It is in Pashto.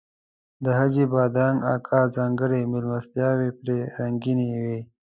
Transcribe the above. د حاجي بادرنګ اکا ځانګړي میلمستیاوې پرې رنګینې وې.